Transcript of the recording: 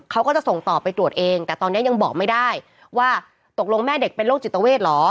เขาก็จะส่งต่อไปตรวจเองแต่ตอนนี้ยังบอกไม่ได้ว่าตกลงแม่เด็กเป็นโรคจิตเวทเหรอ